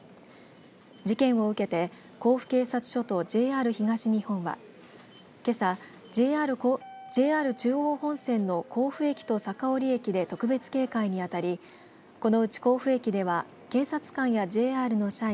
事件を受けて甲府警察署とＪＲ東日本はけさ、ＪＲ中央本線の甲府駅と酒折駅で特別警戒にあたりこのうち甲府駅では警察官やＪＲの社員